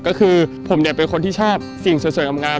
ก็คือผมเนี่ยเป็นคนที่ชอบสิ่งสวยอย่างงาม